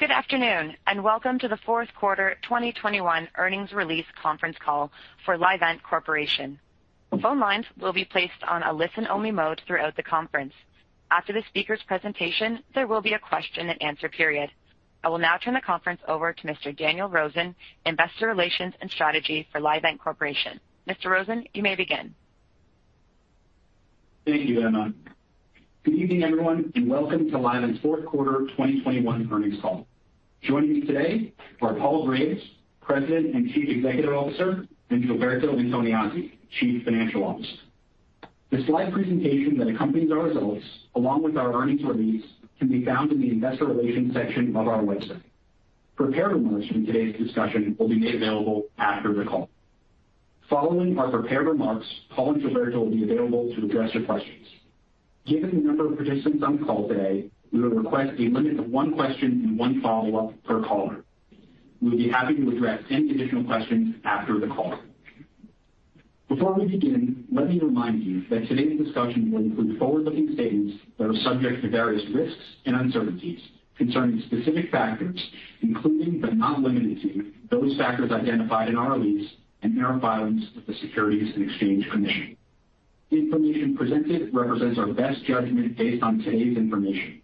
Good afternoon, and welcome to the Fourth Quarter 2021 Earnings Release Conference Call for Livent Corporation. Phone lines will be placed on a listen-only mode throughout the conference. After the speaker's presentation, there will be a question and answer period. I will now turn the conference over to Mr. Daniel Rosen, Investor Relations and Strategy for Livent Corporation. Mr. Rosen, you may begin. Thank you, Emma. Good evening, everyone, and welcome to Livent's Fourth Quarter 2021 Earnings Call. Joining me today are Paul Graves, President and Chief Executive Officer, and Gilberto Antoniazzi, Chief Financial Officer. The slide presentation that accompanies our results, along with our earnings release, can be found in the investor relations section of our website. Prepared remarks from today's discussion will be made available after the call. Following our prepared remarks, Paul and Gilberto will be available to address your questions. Given the number of participants on the call today, we will request a limit of one question and one follow-up per caller. We'll be happy to address any additional questions after the call. Before we begin, let me remind you that today's discussion will include forward-looking statements that are subject to various risks and uncertainties concerning specific factors, including, but not limited to, those factors identified in our release and filed with the Securities and Exchange Commission. Information presented represents our best judgment based on today's information.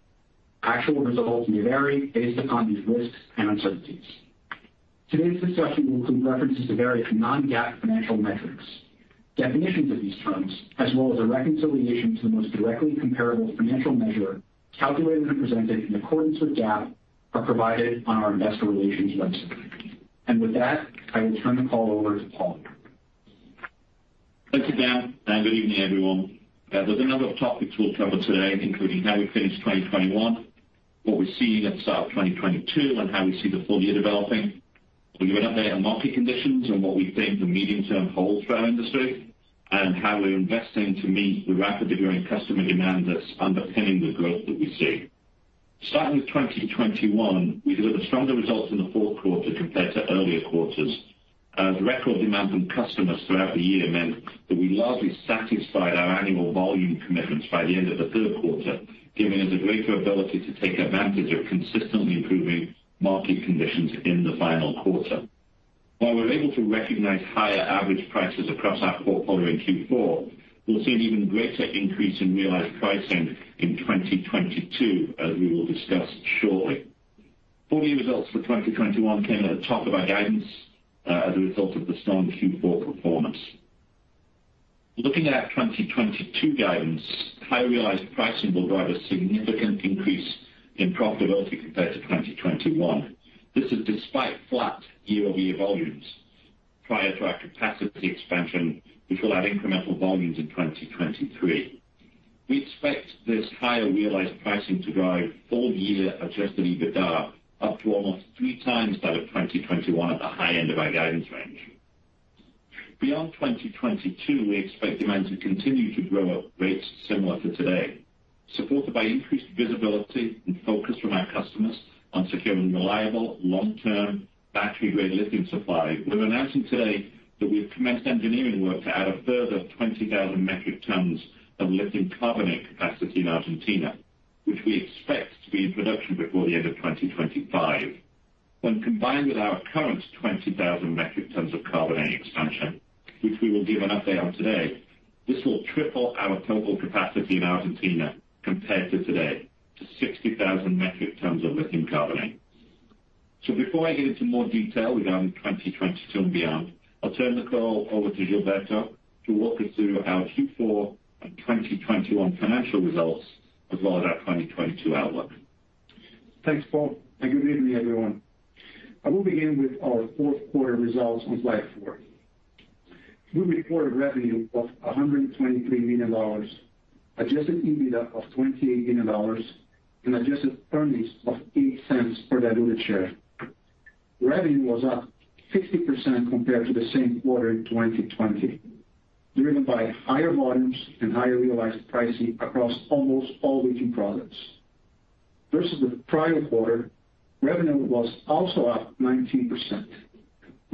Actual results may vary based upon these risks and uncertainties. Today's discussion will include references to various non-GAAP financial metrics. Definitions of these terms, as well as a reconciliation to the most directly comparable financial measure calculated and presented in accordance with GAAP, are provided on our investor relations website. With that, I will turn the call over to Paul. Thank you, Dan. Good evening, everyone. There's a number of topics we'll cover today, including how we finished 2021, what we're seeing at the start of 2022, and how we see the full year developing. We will update on market conditions and what we think the medium-term holds for our industry and how we're investing to meet the rapidly growing customer demand that's underpinning the growth that we see. Starting with 2021, we delivered stronger results in the fourth quarter compared to earlier quarters. The record demand from customers throughout the year meant that we largely satisfied our annual volume commitments by the end of the third quarter, giving us a greater ability to take advantage of consistently improving market conditions in the final quarter. While we're able to recognize higher average prices across our portfolio in Q4, we'll see an even greater increase in realized pricing in 2022, as we will discuss shortly. Full year results for 2021 came at the top of our guidance, as a result of the strong Q4 performance. Looking at our 2022 guidance, high realized pricing will drive a significant increase in profitability compared to 2021. This is despite flat year-over-year volumes prior to our capacity expansion, which will add incremental volumes in 2023. We expect this higher realized pricing to drive full-year adjusted EBITDA up to almost three times that of 2021 at the high end of our guidance range. Beyond 2022, we expect demand to continue to grow at rates similar to today, supported by increased visibility and focus from our customers on securing reliable, long-term battery-grade lithium supply. We're announcing today that we've commenced engineering work to add a further 20,000 metric tons of lithium carbonate capacity in Argentina, which we expect to be in production before the end of 2025. When combined with our current 20,000 metric tons of carbonate expansion, which we will give an update on today, this will triple our total capacity in Argentina compared to today, to 60,000 metric tons of lithium carbonate. Before I get into more detail regarding 2022 and beyond, I'll turn the call over to Gilberto to walk us through our Q4 and 2021 financial results, as well as our 2022 outlook. Thanks, Paul, and good evening, everyone. I will begin with our fourth quarter results on slide four. We reported revenue of $123 million, adjusted EBITDA of $28 million, and adjusted earnings of $0.08 per diluted share. Revenue was up 60% compared to the same quarter in 2020, driven by higher volumes and higher realized pricing across almost all lithium products. Versus the prior quarter, revenue was also up 19%,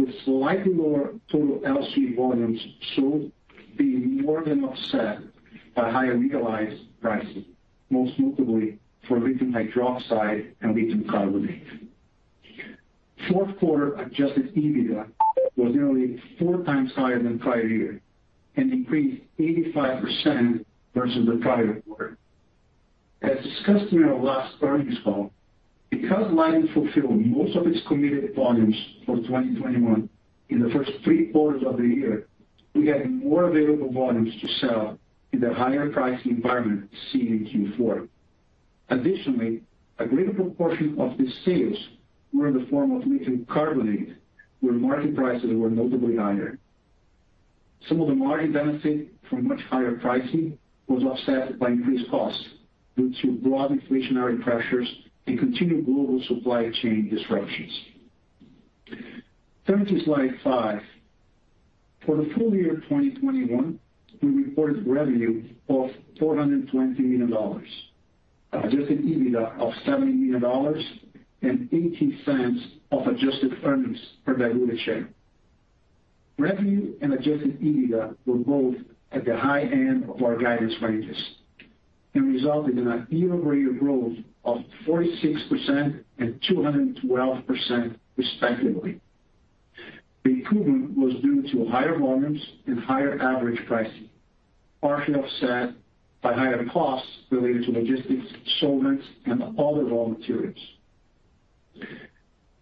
with slightly lower total LCE volumes, so being more than offset by higher realized pricing, most notably for lithium hydroxide and lithium carbonate. Fourth quarter adjusted EBITDA was nearly four times higher than prior year and increased 85% versus the prior quarter. As discussed in our last earnings call, because Livent fulfilled most of its committed volumes for 2021 in the first three quarters of the year, we had more available volumes to sell in the higher pricing environment seen in Q4. Additionally, a greater proportion of the sales were in the form of lithium carbonate, where market prices were notably higher. Some of the margin benefit from much higher pricing was offset by increased costs due to broad inflationary pressures and continued global supply chain disruptions. Turning to slide five. For the full year 2021, we reported revenue of $420 million, adjusted EBITDA of $70 million, and $0.80 of adjusted earnings per diluted share. Revenue and adjusted EBITDA were both at the high end of our guidance ranges and resulted in a year-over-year growth of 46% and 212% respectively. The improvement was due to higher volumes and higher average pricing, partially offset by higher costs related to logistics, solvents, and other raw materials.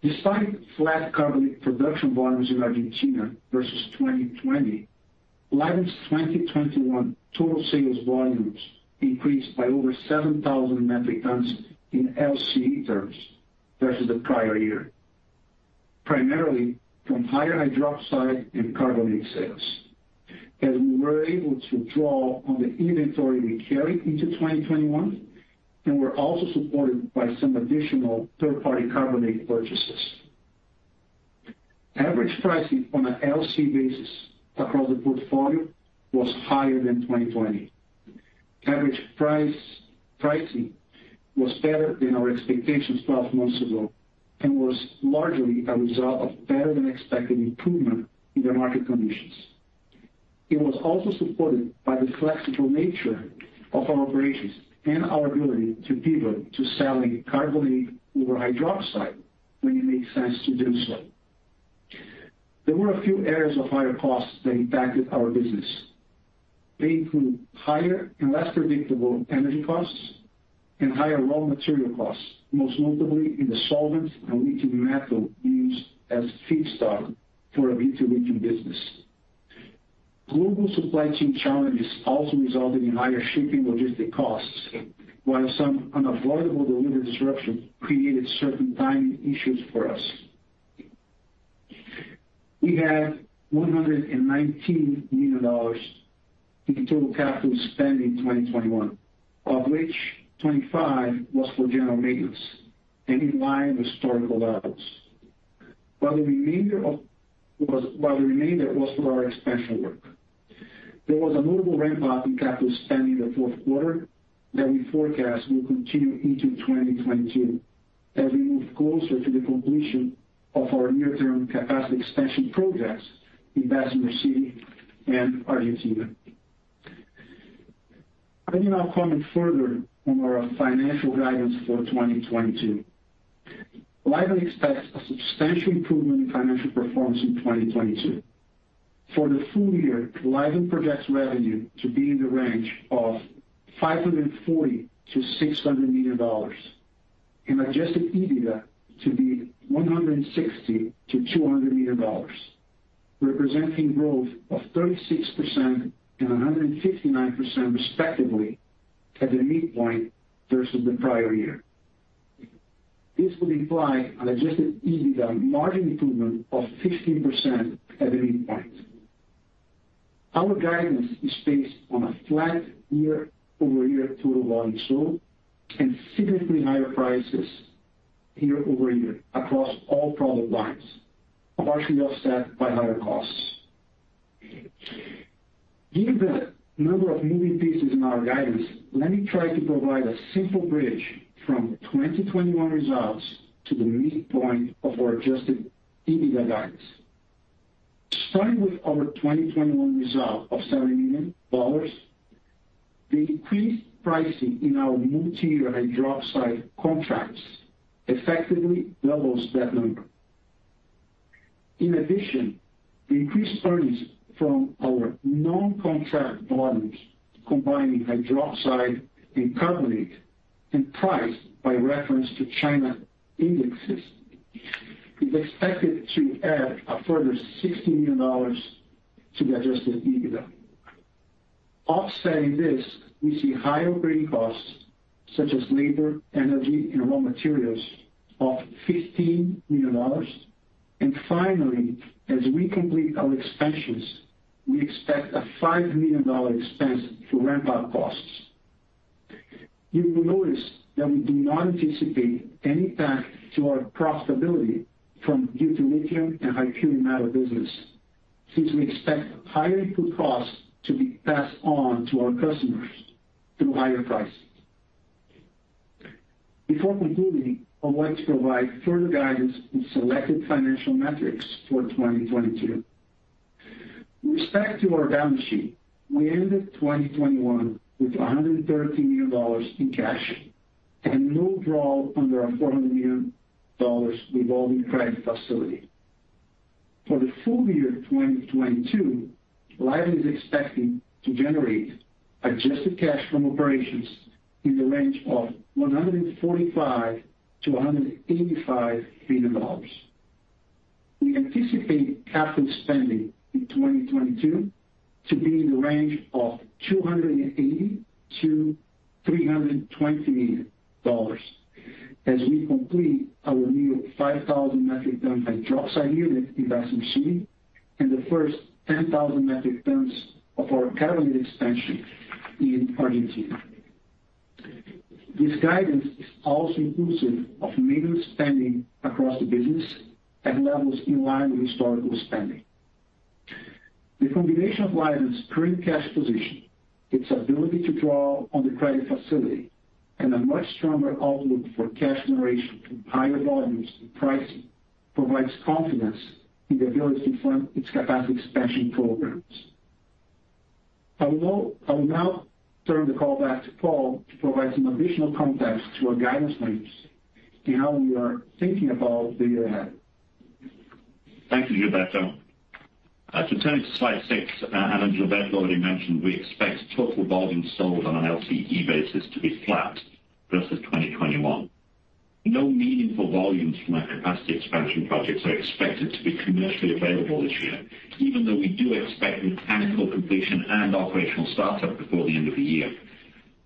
Despite flat carbonate production volumes in Argentina versus 2020, Livent's 2021 total sales volumes increased by over 7,000 metric tons in LCE terms versus the prior year, primarily from higher hydroxide and carbonate sales, as we were able to draw on the inventory we carried into 2021 and were also supported by some additional third-party carbonate purchases. Average pricing on an LCE basis across the portfolio was higher than 2020. Average pricing was better than our expectations 12 months ago and was largely a result of better than expected improvement in the market conditions. It was also supported by the flexible nature of our operations and our ability to pivot to selling carbonate over hydroxide when it makes sense to do so. There were a few areas of higher costs that impacted our business. They include higher and less predictable energy costs and higher raw material costs, most notably in the solvents and lithium metal used as feedstock for our lithium business. Global supply chain challenges also resulted in higher shipping logistic costs, while some unavoidable delivery disruptions created certain timing issues for us. We had $119 million in total capital spend in 2021, of which $25 million was for general maintenance and in line with historical levels. While the remainder was for our expansion work. There was a notable ramp up in capital spend in the fourth quarter that we forecast will continue into 2022 as we move closer to the completion of our near-term capacity expansion projects in Bessemer City and Argentina. Let me now comment further on our financial guidance for 2022. Livent expects a substantial improvement in financial performance in 2022. For the full year, Livent projects revenue to be in the range of $540 million-$600 million and adjusted EBITDA to be $160 million-$200 million, representing growth of 36% and 159% respectively at the midpoint versus the prior year. This would imply an adjusted EBITDA margin improvement of 15% at the midpoint. Our guidance is based on a flat year-over-year total volume sold and significantly higher prices year-over-year across all product lines, partially offset by higher costs. Given the number of moving pieces in our guidance, let me try to provide a simple bridge from 2021 results to the midpoint of our adjusted EBITDA guidance. Starting with our 2021 result of $70 million, the increased pricing in our multi-year hydroxide contracts effectively doubles that number. In addition, the increased earnings from our non-contract volumes combining hydroxide and carbonate and priced by reference to China indexes is expected to add a further $16 million to the adjusted EBITDA. Offsetting this, we see higher operating costs such as labor, energy, and raw materials of $15 million. Finally, as we complete our expansions, we expect a $5 million expense to ramp up costs. You will notice that we do not anticipate any impact to our profitability from lithium and high pure metal business since we expect higher input costs to be passed on to our customers through higher prices. Before concluding, I want to provide further guidance on selected financial metrics for 2022. With respect to our balance sheet, we ended 2021 with $113 million in cash and no draw under our $400 million revolving credit facility. For the full year 2022, Livent is expecting to generate adjusted cash from operations in the range of $145 million-$185 million. We anticipate capital spending in 2022 to be in the range of $280 million-$320 million as we complete our new 5,000-metric-ton hydroxide unit in Bessemer City and the first 10,000 metric tons of our carbonate expansion in Argentina. This guidance is also inclusive of maintenance spending across the business at levels in line with historical spending. The combination of Livent's current cash position, its ability to draw on the credit facility, and a much stronger outlook for cash generation from higher volumes and pricing provides confidence in the ability to fund its capacity expansion programs. I will now turn the call back to Paul to provide some additional context to our guidance ranges and how we are thinking about the year ahead. Thank you, Gilberto. As we turn to slide six, and as Gilberto already mentioned, we expect total volumes sold on an LCE basis to be flat versus 2021. No meaningful volumes from our capacity expansion projects are expected to be commercially available this year, even though we do expect mechanical completion and operational startup before the end of the year.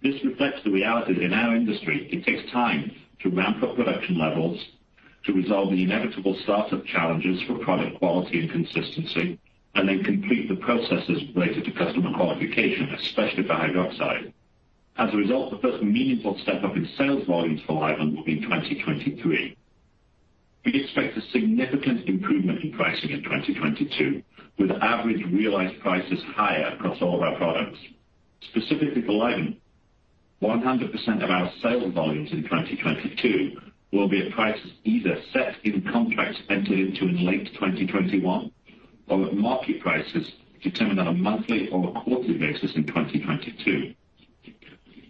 This reflects the reality that in our industry it takes time to ramp up production levels, to resolve the inevitable startup challenges for product quality and consistency, and then complete the processes related to customer qualification, especially for hydroxide. As a result, the first meaningful step-up in sales volumes for Livent will be in 2023. We expect a significant improvement in pricing in 2022, with average realized prices higher across all of our products. Specifically for Livent, 100% of our sales volumes in 2022 will be at prices either set in contracts entered into in late 2021 or at market prices determined on a monthly or quarterly basis in 2022.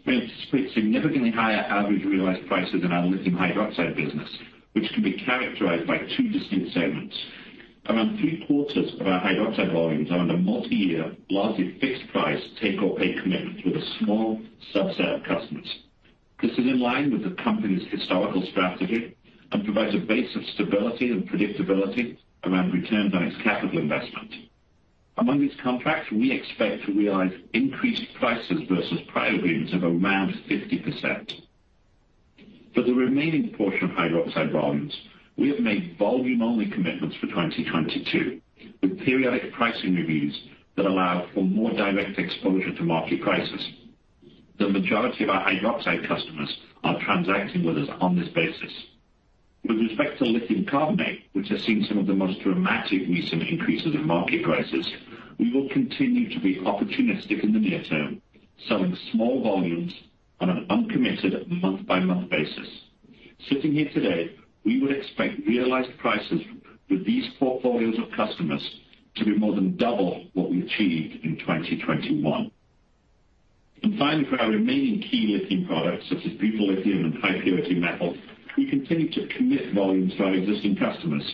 We anticipate significantly higher average realized prices in our lithium hydroxide business, which can be characterized by two distinct segments. Around three quarters of our hydroxide volumes are under multi-year, largely fixed price take-or-pay commitment with a small subset of customers. This is in line with the company's historical strategy and provides a base of stability and predictability around return on its capital investment. Among these contracts, we expect to realize increased prices versus prior agreements of around 50%. For the remaining portion of hydroxide volumes, we have made volume-only commitments for 2022, with periodic pricing reviews that allow for more direct exposure to market prices. The majority of our hydroxide customers are transacting with us on this basis. With respect to lithium carbonate, which has seen some of the most dramatic recent increases in market prices, we will continue to be opportunistic in the near term, selling small volumes on an uncommitted month-by-month basis. Sitting here today, we would expect realized prices with these portfolios of customers to be more than double what we achieved in 2021. Finally, for our remaining key lithium products, such as butyllithium and high purity metal, we continue to commit volumes to our existing customers.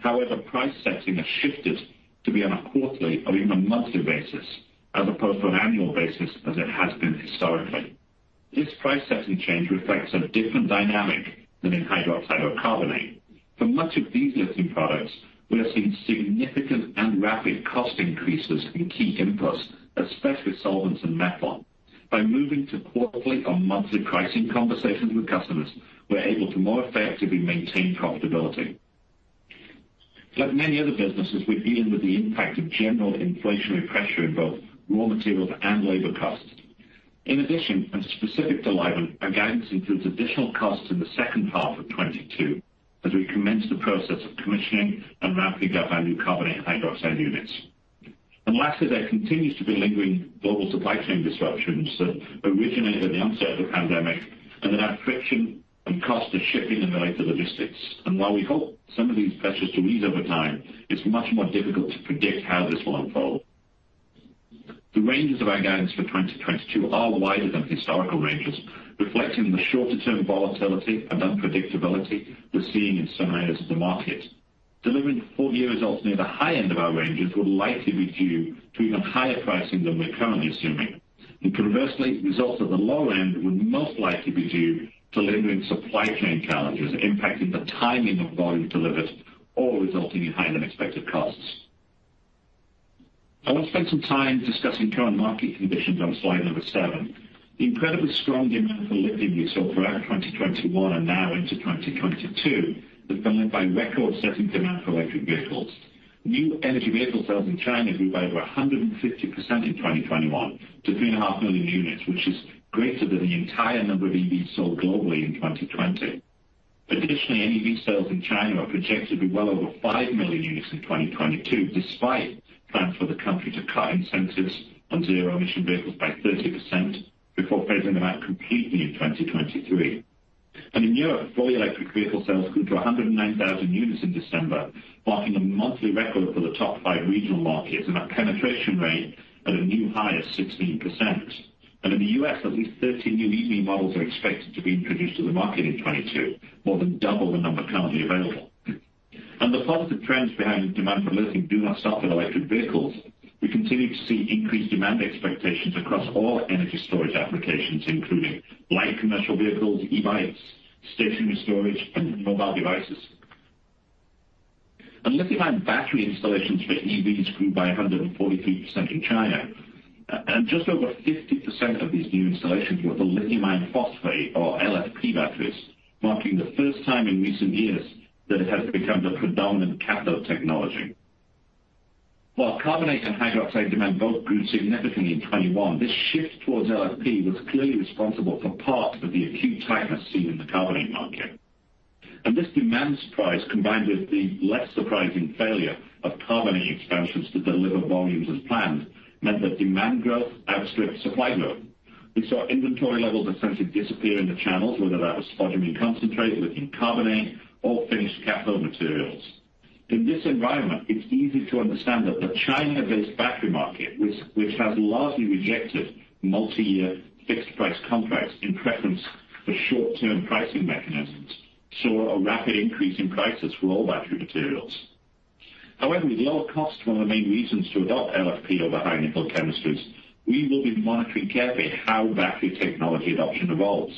However, price setting has shifted to be on a quarterly or even a monthly basis, as opposed to an annual basis as it has been historically. This price setting change reflects a different dynamic than in hydroxide or carbonate. For much of these lithium products, we are seeing significant and rapid cost increases in key inputs, especially solvents and methanol. By moving to quarterly or monthly pricing conversations with customers, we're able to more effectively maintain profitability. Like many other businesses, we're dealing with the impact of general inflationary pressure in both raw materials and labor costs. In addition, and specific to Livent, our guidance includes additional costs in the second half of 2022 as we commence the process of commissioning and ramping up our new carbonate and hydroxide units. Lastly, there continues to be lingering global supply chain disruptions that originated at the onset of the pandemic and that add friction and cost to shipping and related logistics. While we hope some of these pressures to ease over time, it's much more difficult to predict how this will unfold. The ranges of our guidance for 2022 are wider than historical ranges, reflecting the shorter-term volatility and unpredictability we're seeing in some areas of the market. Delivering full year results near the high end of our ranges would likely be due to even higher pricing than we're currently assuming. Conversely, results at the low end would most likely be due to lingering supply chain challenges impacting the timing of volume delivered or resulting in higher-than-expected costs. I want to spend some time discussing current market conditions on slide seven. The incredibly strong demand for lithium we saw throughout 2021 and now into 2022 has been led by record-setting demand for electric vehicles. New energy vehicle sales in China grew by over 150% in 2021 to 3.5 million units, which is greater than the entire number of EVs sold globally in 2020. Additionally, NEV sales in China are projected to be well over 5 million units in 2022, despite plans for the country to cut incentives on zero-emission vehicles by 30% before phasing them out completely in 2023. In Europe, fully electric vehicle sales grew to 109,000 units in December, marking a monthly record for the top five regional markets and that penetration rate at a new high of 16%. In the U.S., at least 13 new EV models are expected to be introduced to the market in 2022, more than double the number currently available. The positive trends behind the demand for lithium do not stop at electric vehicles. We continue to see increased demand expectations across all energy storage applications, including light commercial vehicles, e-bikes, stationary storage, and mobile devices. Lithium-ion battery installations for EVs grew by 143% in China. Just over 50% of these new installations were for lithium iron phosphate, or LFP batteries, marking the first time in recent years that it has become the predominant cathode technology. While carbonate and hydroxide demand both grew significantly in 2021, this shift towards LFP was clearly responsible for part of the acute tightness seen in the carbonate market. This demand surprise, combined with the less surprising failure of carbonate expansions to deliver volumes as planned, meant that demand growth outstripped supply growth. We saw inventory levels essentially disappear in the channels, whether that was spodumene concentrate, lithium carbonate or finished cathode materials. In this environment, it's easy to understand that the China-based battery market, which has largely rejected multi-year fixed-price contracts in preference for short-term pricing mechanisms, saw a rapid increase in prices for all battery materials. However, with lower cost, one of the main reasons to adopt LFP over high nickel chemistries, we will be monitoring carefully how battery technology adoption evolves.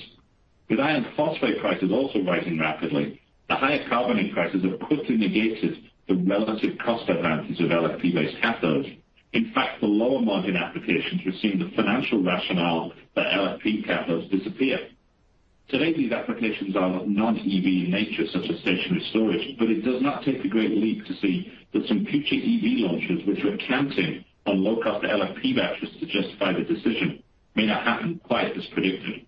With iron phosphate prices also rising rapidly, the higher carbonate prices have quickly negated the relative cost advantages of LFP-based cathodes. In fact, in lower margin applications we've seen the financial rationale for LFP cathodes disappear. Today, these applications are of a non-EV nature, such as stationary storage. It does not take a great leap to see that some future EV launches which were counting on low cost LFP batteries to justify the decision may not happen quite as predicted.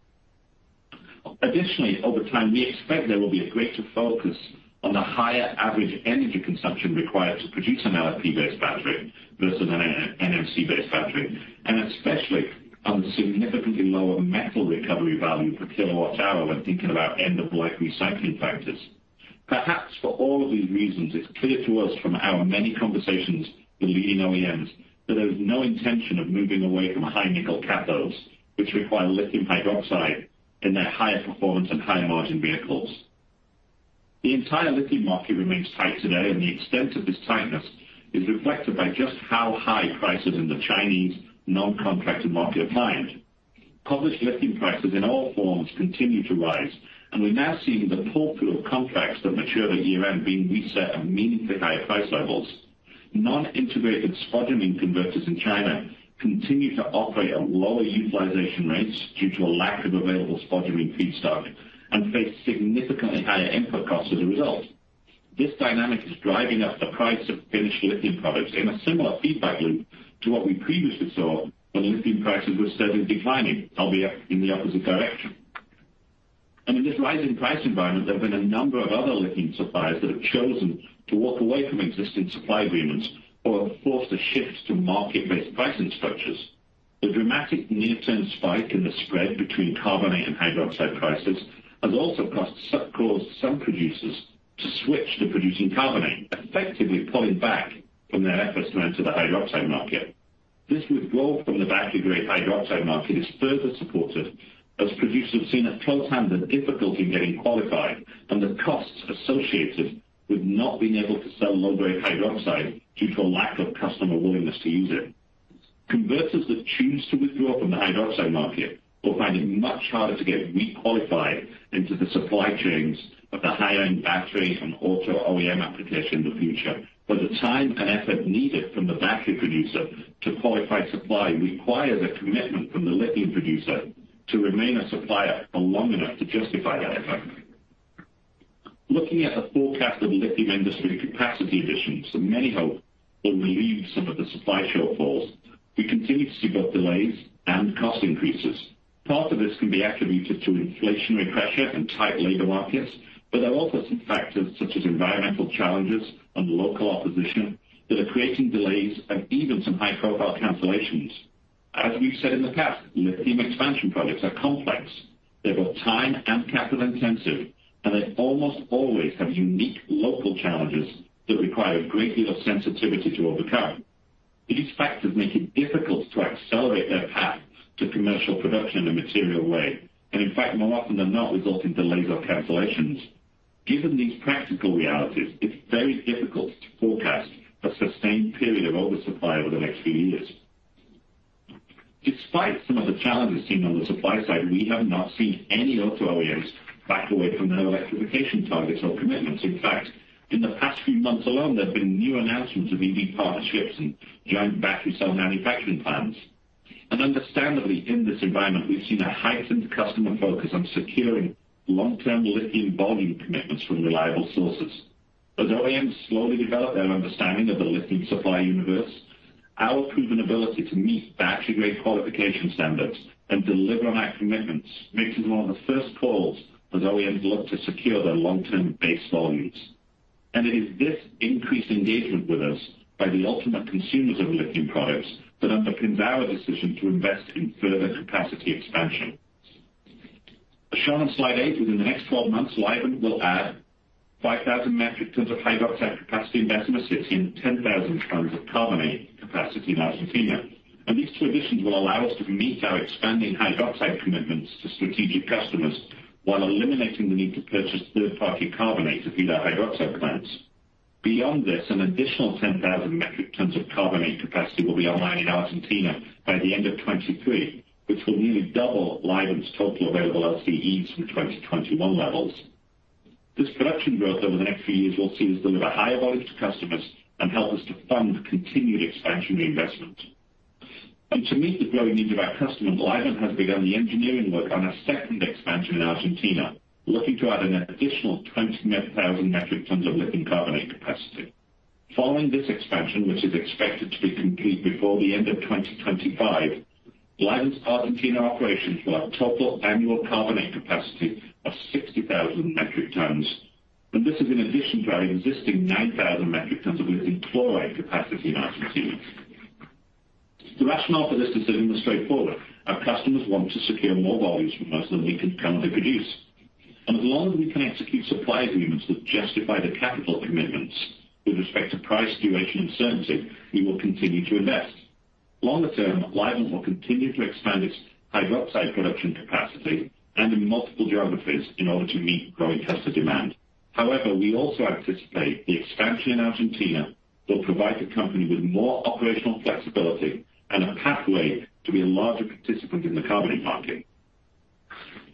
Additionally, over time, we expect there will be a greater focus on the higher average energy consumption required to produce an LFP-based battery versus an NMC-based battery, and especially on the significantly lower metal recovery value per kilowatt hour when thinking about end-of-life recycling factors. Perhaps for all of these reasons, it's clear to us from our many conversations with leading OEMs that there is no intention of moving away from high nickel cathodes, which require lithium hydroxide in their higher performance and higher margin vehicles. The entire lithium market remains tight today, and the extent of this tightness is reflected by just how high prices in the Chinese non-contracted market have climbed. Published lithium prices in all forms continue to rise, and we're now seeing the pool of contracts that mature at year-end being reset at meaningfully higher price levels. Non-integrated spodumene converters in China continue to operate at lower utilization rates due to a lack of available spodumene feedstock and face significantly higher input costs as a result. This dynamic is driving up the price of finished lithium products in a similar feedback loop to what we previously saw when the lithium prices were steadily declining, albeit in the opposite direction. In this rising price environment, there have been a number of other lithium suppliers that have chosen to walk away from existing supply agreements or have forced a shift to market-based pricing structures. The dramatic near-term spike in the spread between carbonate and hydroxide prices has also caused some producers to switch to producing carbonate, effectively pulling back from their efforts into the hydroxide market. This withdrawal from the battery-grade hydroxide market is further supported as producers have seen at first hand the difficulty in getting qualified and the costs associated with not being able to sell low-grade hydroxide due to a lack of customer willingness to use it. Converters that choose to withdraw from the hydroxide market will find it much harder to get re-qualified into the supply chains of the high-end battery and auto OEM application in the future, where the time and effort needed from the battery producer to qualify supply requires a commitment from the lithium producer to remain a supplier for long enough to justify that effort. Looking at the forecast of lithium industry capacity additions that many hope will relieve some of the supply shortfalls, we continue to see both delays and cost increases. Part of this can be attributed to inflationary pressure and tight labor markets, but there are also some factors such as environmental challenges and local opposition that are creating delays and even some high-profile cancellations. As we've said in the past, lithium expansion projects are complex. They're both time and capital intensive, and they almost always have unique local challenges that require a great deal of sensitivity to overcome. These factors make it difficult to accelerate their path to commercial production in a material way, and in fact more often than not result in delays or cancellations. Given these practical realities, it's very difficult to forecast a sustained period of oversupply over the next few years. Despite some of the challenges seen on the supply side, we have not seen any auto OEMs back away from their electrification targets or commitments. In fact, in the past few months alone, there have been new announcements of EV partnerships and joint battery cell manufacturing plans. Understandably, in this environment, we've seen a heightened customer focus on securing long-term lithium volume commitments from reliable sources. As OEMs slowly develop their understanding of the lithium supply universe, our proven ability to meet battery-grade qualification standards and deliver on our commitments makes us one of the first calls as OEMs look to secure their long-term base volumes. It is this increased engagement with us by the ultimate consumers of lithium products that underpins our decision to invest in further capacity expansion. As shown on slide eight, within the next 12 months, Livent will add 5,000 metric tons of hydroxide capacity in Bessemer City and 10,000 tons of carbonate capacity in Argentina. These two additions will allow us to meet our expanding hydroxide commitments to strategic customers while eliminating the need to purchase third-party carbonate to feed our hydroxide plants. Beyond this, an additional 10,000 metric tons of carbonate capacity will be online in Argentina by the end of 2023, which will nearly double Livent's total available LCEs from 2020 to 2021 levels. This production growth over the next few years will see us deliver higher volumes to customers and help us to fund continued expansionary investment. To meet the growing needs of our customers, Livent has begun the engineering work on our second expansion in Argentina, looking to add an additional 20,000 metric tons of lithium carbonate capacity. Following this expansion, which is expected to be complete before the end of 2025, Livent's Argentina operations will have total annual carbonate capacity of 60,000 metric tons, and this is in addition to our existing 9,000 metric tons of lithium chloride capacity in Argentina. The rationale for this decision was straightforward. Our customers want to secure more volumes from us than we can currently produce. As long as we can execute supply agreements that justify the capital commitments with respect to price duration and certainty, we will continue to invest. Longer term, Livent will continue to expand its hydroxide production capacity and in multiple geographies in order to meet growing customer demand. However, we also anticipate the expansion in Argentina will provide the company with more operational flexibility and a pathway to be a larger participant in the carbon market.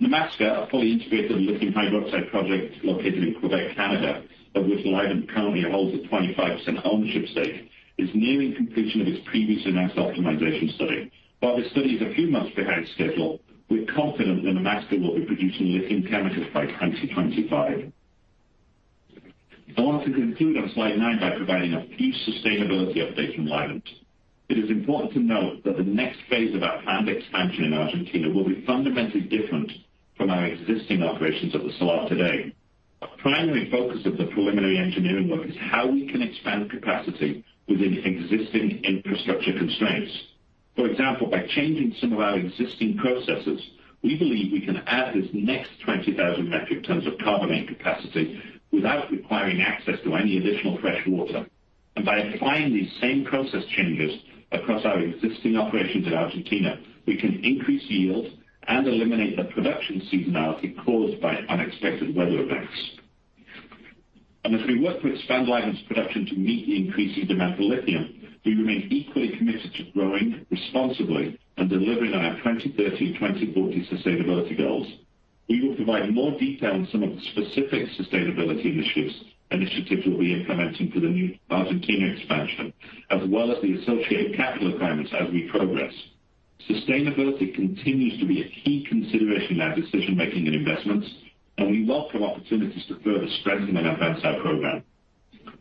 Nemaska Lithium, a fully integrated lithium hydroxide project located in Quebec, Canada, of which Livent currently holds a 25% ownership stake, is nearing completion of its previously announced optimization study. While the study is a few months behind schedule, we're confident that Nemaska Lithium will be producing lithium chemicals by 2025. I want to conclude on slide nine by providing a few sustainability updates from Livent. It is important to note that the next phase of our planned expansion in Argentina will be fundamentally different from our existing operations at the Salar today. Our primary focus of the preliminary engineering work is how we can expand capacity within existing infrastructure constraints. For example, by changing some of our existing processes, we believe we can add this next 20,000 metric tons of carbonate capacity without requiring access to any additional fresh water. By applying these same process changes across our existing operations in Argentina, we can increase yield and eliminate the production seasonality caused by unexpected weather events. As we work to expand Livent's production to meet the increasing demand for lithium, we remain equally committed to growing responsibly and delivering our 2030, 2040 sustainability goals. We will provide more detail on some of the specific sustainability initiatives we'll be implementing for the new Argentina expansion, as well as the associated capital requirements as we progress. Sustainability continues to be a key consideration in our decision-making and investments, and we welcome opportunities to further strengthen our sustainability program.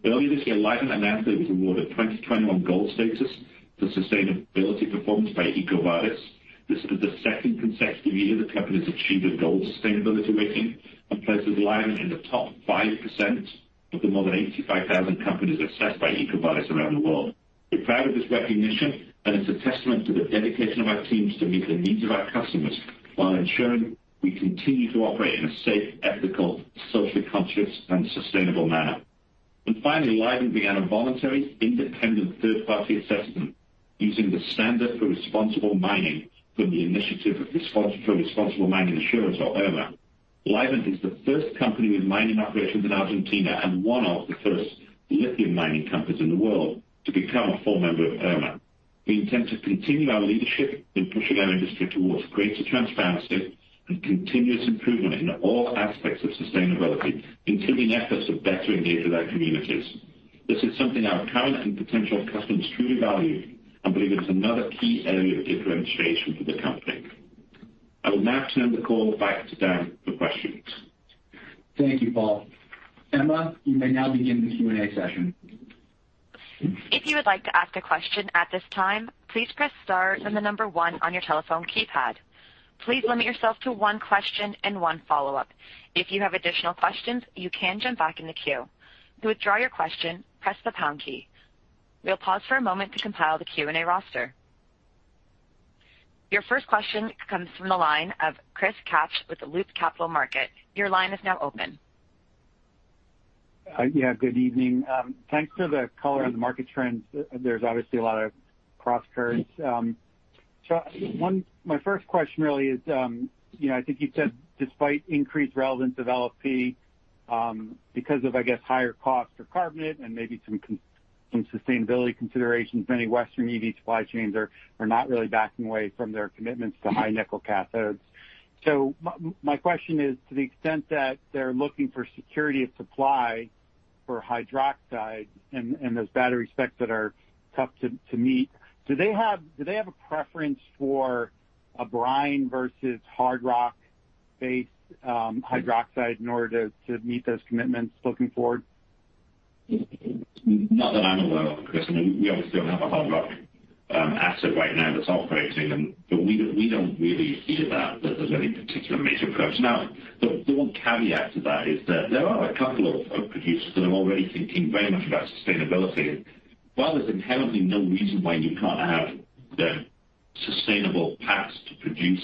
Earlier this year, Livent announced it was awarded 2021 gold status for sustainability performance by EcoVadis. This is the second consecutive year the company has achieved a gold sustainability rating and places Livent in the top 5% of the more than 85,000 companies assessed by EcoVadis around the world. We're proud of this recognition, and it's a testament to the dedication of our teams to meet the needs of our customers while ensuring we continue to operate in a safe, ethical, socially conscious and sustainable manner. Finally, Livent began a voluntary independent third-party assessment using the Standard for Responsible Mining from the Initiative for Responsible Mining Assurance, or IRMA. Livent is the first company with mining operations in Argentina and one of the first lithium mining companies in the world to become a full member of IRMA. We intend to continue our leadership in pushing our industry towards greater transparency and continuous improvement in all aspects of sustainability, including efforts to better engage with our communities. This is something our current and potential customers truly value and believe it is another key area of differentiation for the company. I will now turn the call back to Dan for questions. Thank you, Paul. Emma, you may now begin the Q&A session. If you would like to ask a question at this time, please press star then the number one on your telephone keypad. Please limit yourself to one question and one follow-up. If you have additional questions, you can jump back in the queue. To withdraw your question, press the pound key. We'll pause for a moment to compile the Q&A roster. Your first question comes from the line of Chris Kapsch with Loop Capital Markets. Your line is now open. Yeah, good evening. Thanks for the color on the market trends. There's obviously a lot of crosscurrents. My first question really is, you know, I think you said despite increased relevance of LFP, because of, I guess, higher cost for carbonate and maybe some sustainability considerations, many Western EV supply chains are not really backing away from their commitments to high nickel cathodes. My question is, to the extent that they're looking for security of supply for hydroxide and those battery specs that are tough to meet, do they have a preference for a brine versus hard rock-based hydroxide in order to meet those commitments looking forward? Not that I'm aware of, Chris. I mean, we obviously don't have a hard rock asset right now that's operating. We don't really hear that there's any particular major approach. Now, the one caveat to that is that there are a couple of producers that are already thinking very much about sustainability. While there's inherently no reason why you can't have the sustainable paths to produce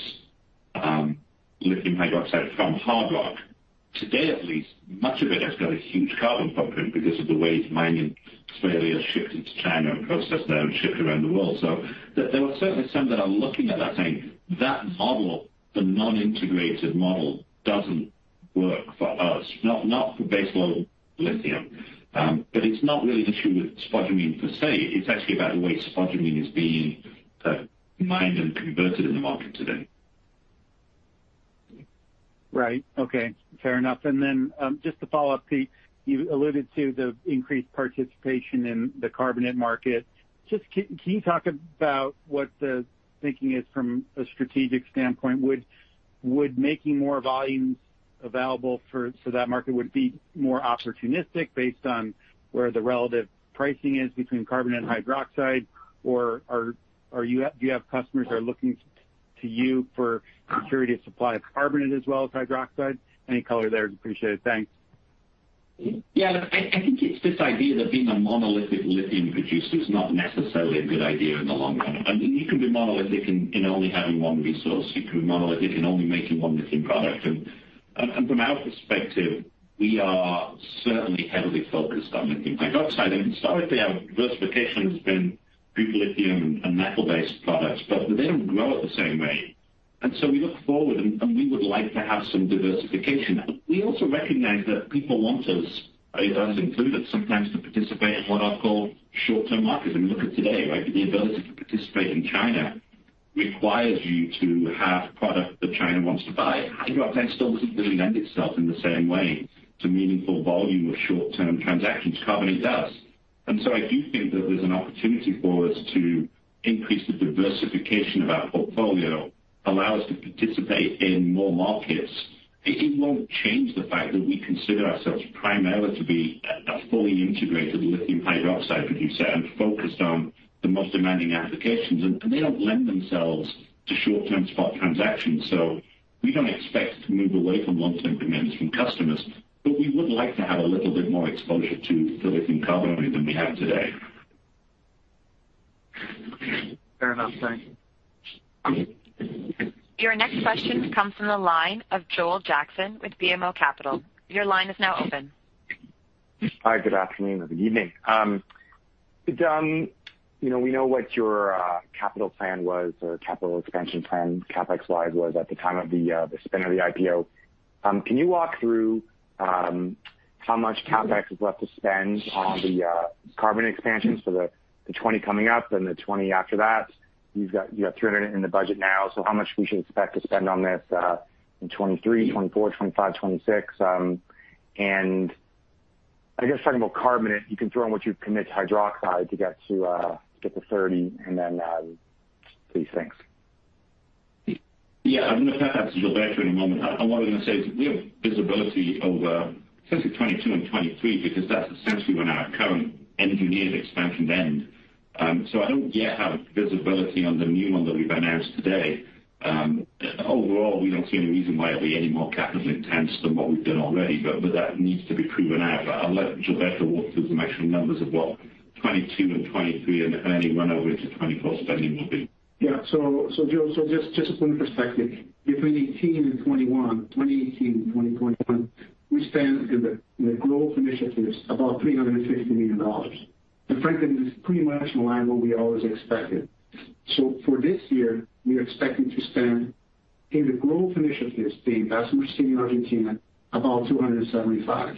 lithium hydroxide from hard rock, today at least much of it has got a huge carbon footprint because of the way mining in Australia shifted to China and processed there and shipped around the world. There are certainly some that are looking at that saying, "That model, the non-integrated model, doesn't work for us, not for base level lithium." It's not really to do with spodumene per se. It's actually about the way spodumene is being mined and converted in the market today. Right. Okay, fair enough. Just to follow up, Pete, you alluded to the increased participation in the carbonate market. Just can you talk about what the thinking is from a strategic standpoint? Would making more volumes available for so that market would be more opportunistic based on where the relative pricing is between carbonate and hydroxide? Or are you do you have customers that are looking to you for security of supply of carbonate as well as hydroxide? Any color there, appreciate it. Thanks. Yeah, look, I think it's this idea that being a monolithic lithium producer is not necessarily a good idea in the long run. I mean, you can be monolithic in only having one resource. You can be monolithic in only making one lithium product. And from our perspective, we are certainly heavily focused on lithium hydroxide. And historically, our diversification has been pre-lithium and metal-based products, but they didn't grow at the same rate. And so we look forward and we would like to have some diversification. We also recognize that people want us included, sometimes to participate in what are called short-term markets. And look at today, right? The ability to participate in China requires you to have product that China wants to buy. Hydroxide still doesn't really lend itself in the same way to meaningful volume of short-term transactions. Carbonate does. I do think that there's an opportunity for us to increase the diversification of our portfolio, allow us to participate in more markets. It won't change the fact that we consider ourselves primarily to be a fully integrated lithium hydroxide producer and focused on the most demanding applications, and they don't lend themselves to short-term spot transactions. We don't expect to move away from long-term commitments from customers, but we would like to have a little bit more exposure to lithium carbonate than we have today. Fair enough. Thank you. Your next question comes from the line of Joel Jackson with BMO Capital. Your line is now open. Hi, good afternoon or good evening. You know, we know what your capital plan was or capital expansion plan CapEx-wide was at the time of the spinoff of the IPO. Can you walk through how much CapEx is left to spend on the carbonate expansions for the 2024 coming up and the 2025 after that? You have $300 million in the budget now, so how much we should expect to spend on this in 2023, 2024, 2025, 2026? I guess talking about carbonate, you can throw in what you committed to for hydroxide to get to 30 and then please, thanks. Yeah. I'm gonna pass that to Gilberto in a moment. I wanted to say we have visibility over essentially 2022 and 2023, because that's essentially when our current engineered expansion end. I don't yet have visibility on the new one that we've announced today. Overall, we don't see any reason why it'll be any more capital intensive than what we've done already, but that needs to be proven out. I'll let Gilberto walk through some actual numbers of what 2022 and 2023 and any run over into 2024 spending will be. Yeah. Joel, just some perspective. Between 2018 and 2021, we spent in the growth initiatives about $350 million. Frankly, this is pretty much in line with what we always expected. For this year, we are expecting to spend in the growth initiatives, being Bessemer City and Argentina, about $275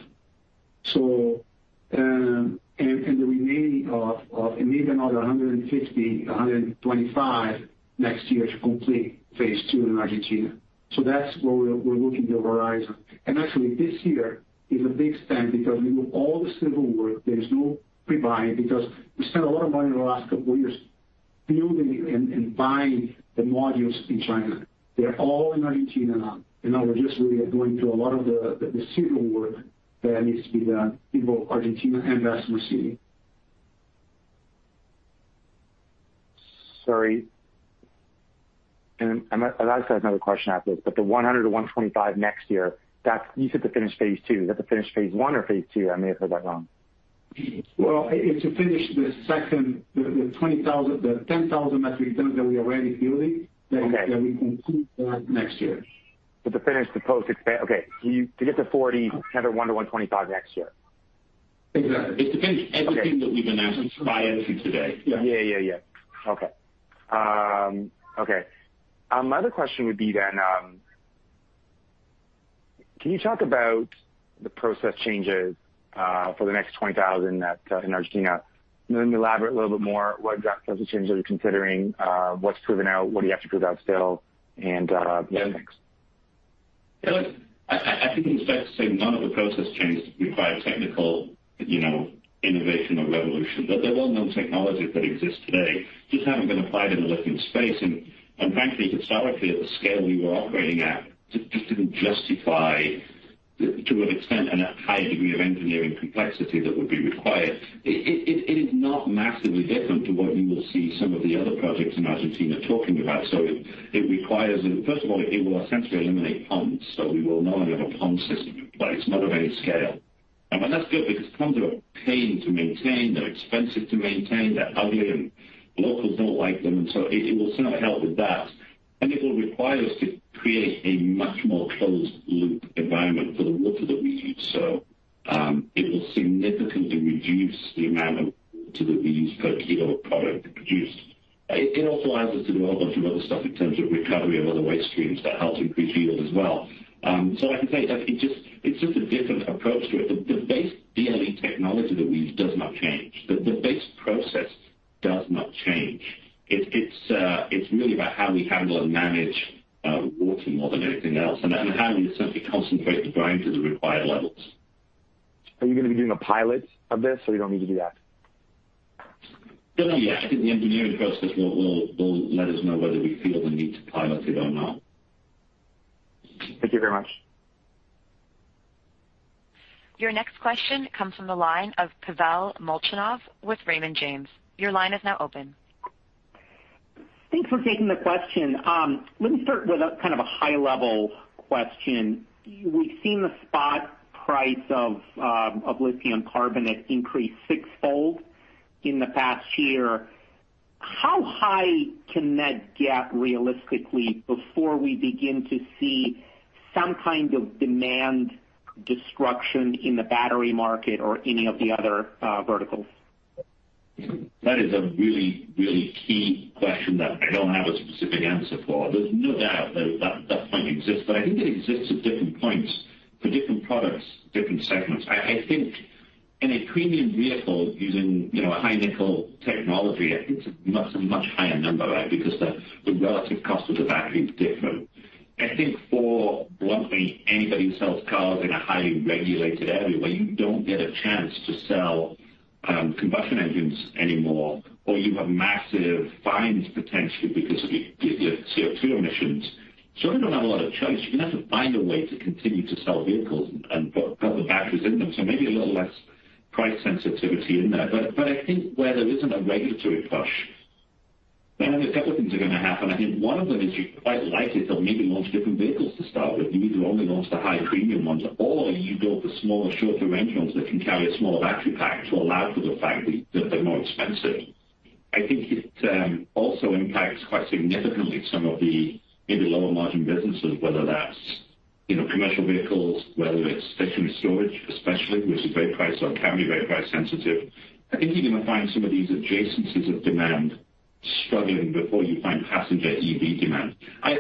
million. The remaining and maybe another $150 million, $125 million next year to complete phase two in Argentina. That's where we're looking to the horizon. Actually, this year is a big spend because we do all the civil work. There's no pre-buying because we spent a lot of money in the last couple years building and buying the modules in China. They're all in Argentina now, and now we're just really going through a lot of the civil work that needs to be done in both Argentina and Bessemer City. Sorry. I actually have another question after this, but the $100-$125 next year, that's you said to finish phase two. Is that to finish phase one or phase two? I may have heard that wrong. Well, it's to finish the 10,000 metric tons that we are already building. Okay. That we complete that next year. To get to $40, another $1-$125 next year. Exactly. It's to finish everything that we've announced prior to today. Yeah. Okay. My other question would be then, can you talk about the process changes for the next 20,000 that's in Argentina? Can you elaborate a little bit more what exact process changes are you considering? What's proven out? What do you have to prove out still? Yeah, thanks. Yeah, look, I think it's fair to say none of the process changes require technical, you know, innovation or revolution. They're well-known technology that exists today, just haven't been applied in the lithium space. Frankly, historically, at the scale we were operating at, just didn't justify, to an extent, a high degree of engineering complexity that would be required. It is not massively different to what you will see some of the other projects in Argentina talking about. It requires. First of all, it will essentially eliminate pumps. We will no longer have a pump system, but it's not of any scale. That's good because pumps are a pain to maintain, they're expensive to maintain, they're ugly, and locals don't like them. It will sort of help with that. It will require us to create a much more closed loop environment for the water that we use. It will significantly reduce the amount of water that we use per kilo of product produced. It also allows us to do a whole bunch of other stuff in terms of recovery of other waste streams that help increase yield as well. I can say it's just a different approach to it. The base DLE technology that we use does not change. The base process does not change. It's really about how we handle and manage water more than anything else, and how we simply concentrate the brine to the required levels. Are you gonna be doing a pilot of this, or you don't need to do that? Don't know yet. I think the engineering process will let us know whether we feel the need to pilot it or not. Thank you very much. Your next question comes from the line of Pavel Molchanov with Raymond James. Your line is now open. Thanks for taking the question. Let me start with a kind of a high level question. We've seen the spot price of lithium carbonate increase sixfold in the past year. How high can that go realistically before we begin to see some kind of demand destruction in the battery market or any of the other verticals? That is a really, really key question that I don't have a specific answer for. There's no doubt that that point exists, but I think it exists at different points for different products, different segments. I think in a premium vehicle using, you know, a high nickel technology, I think it's not a much higher number there because the relative cost of the battery is different. I think for, bluntly, anybody who sells cars in a highly regulated area where you don't get a chance to sell combustion engines anymore, or you have massive fines potentially because of your CO2 emissions, so you don't have a lot of choice. You're gonna have to find a way to continue to sell vehicles and put the batteries in them. Maybe a little less price sensitivity in there. I think where there isn't a regulatory push, then a couple of things are gonna happen. I think one of them is you're quite likely to maybe launch different vehicles to start with. You either only launch the high premium ones or you build the smaller, shorter range ones that can carry a smaller battery pack to allow for the fact that they're more expensive. I think it also impacts quite significantly some of the maybe lower margin businesses, whether that's, you know, commercial vehicles, whether it's stationary storage especially, which is very price-sensitive. I think you're gonna find some of these adjacencies of demand struggling before you find passenger EV demand.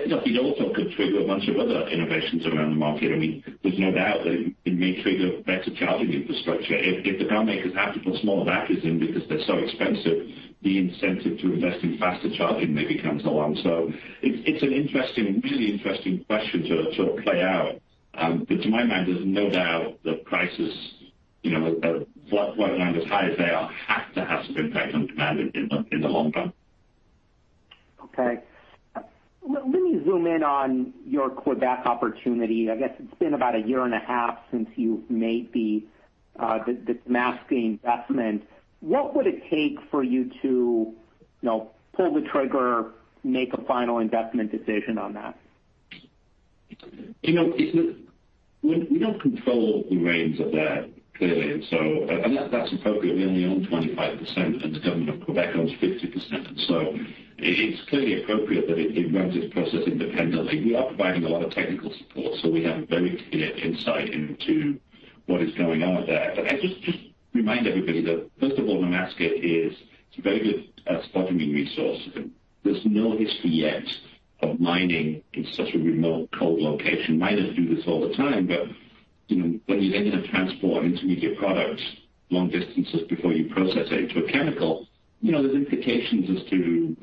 Look, it also could trigger a bunch of other innovations around the market. I mean, there's no doubt that it may trigger better charging infrastructure. If the car makers have to put smaller batteries in because they're so expensive, the incentive to invest in faster charging maybe comes along. It's an interesting, really interesting question to play out. To my mind, there's no doubt that prices, you know, at what, as high as they are, have to have some impact on demand in the long term. Okay. Let me zoom in on your Quebec opportunity. I guess it's been about a year and a half since you made the Nemaska investment. What would it take for you to, you know, pull the trigger, make a final investment decision on that? We don't control the reins of that, clearly. That's appropriate. We only own 25%, and the government of Quebec owns 50%. It's clearly appropriate that it runs its process independently. We are providing a lot of technical support, so we have a very clear insight into what is going on there. I just remind everybody that first of all, Nemaska is a very good spodumene resource. There's no history yet of mining in such a remote cold location. Miners do this all the time, you know, when you then gonna transport intermediate products long distances before you process it to a chemical, you know, there's implications as to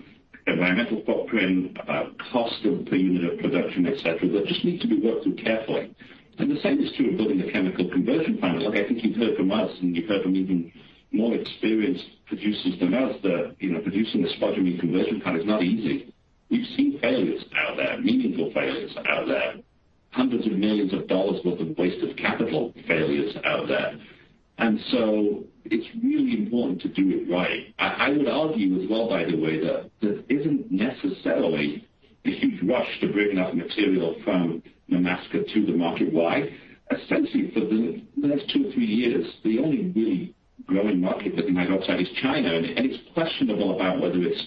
environmental footprint, cost per unit of production, et cetera, that just need to be worked through carefully. The same is true of building the chemical conversion plant. Look, I think you've heard from us, and you've heard from even more experienced producers than us that, you know, producing a spodumene conversion plant is not easy. We've seen failures out there, meaningful failures out there, $hundreds of millions worth of wasted capital failures out there. It's really important to do it right. I would argue as well, by the way, that there isn't necessarily a huge rush to bring that material from Nemaska to the market. Why? Essentially, for the next two or three years, the only really growing market for the hydroxide is China. It's questionable about whether it's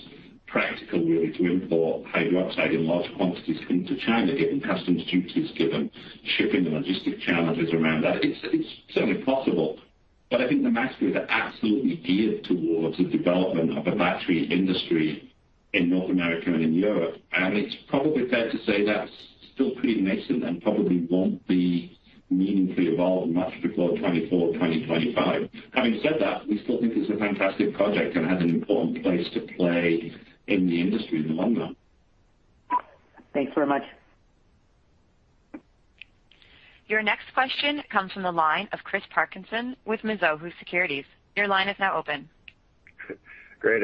practical really to import hydroxide in large quantities into China, given customs duties, given shipping and logistic challenges around that. It's certainly possible. I think Nemaska is absolutely geared towards the development of a battery industry in North America and in Europe. It's probably fair to say that's still pretty nascent and probably won't be meaningfully evolved much before 2024, 2025. Having said that, we still think it's a fantastic project and has an important place to play in the industry in the long run. Thanks very much. Your next question comes from the line of Chris Parkinson with Mizuho Securities. Your line is now open. Great.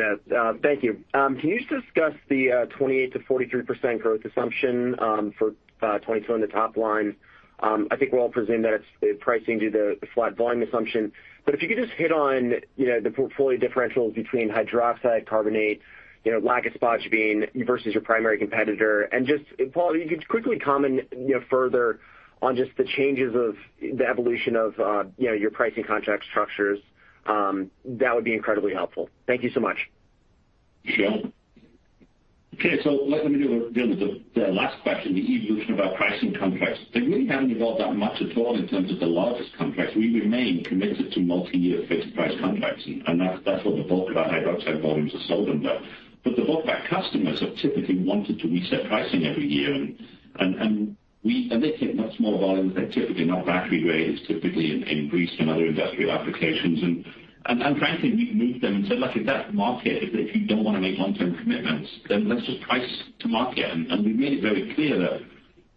Thank you. Can you just discuss the 28%-43% growth assumption for 2022 on the top line? I think we're all presuming that it's pricing due to the flat volume assumption. If you could just hit on, you know, the portfolio differentials between hydroxide, carbonate, you know, lack of spodumene versus your primary competitor. Just, Paul, if you could quickly comment, you know, further on just the changes of the evolution of, you know, your pricing contract structures, that would be incredibly helpful. Thank you so much. Sure. Okay. Let me deal with the last question, the evolution of our pricing contracts. They really haven't evolved that much at all in terms of the largest contracts. We remain committed to multi-year fixed price contracts, and that's what the bulk of our hydroxide volumes are sold under. The bulk of our customers have typically wanted to reset pricing every year, they take much smaller volumes. They're typically not battery grade. It's typically in grease and other industrial applications. Frankly, we've moved them and said, "Look, if that's the market, if you don't wanna make long-term commitments, then let's just price to market." We've made it very clear that